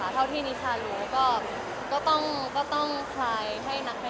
เท่าที่นิคารู้ก็ต้องขายให้นักพยาบาปมาช่วยขายให้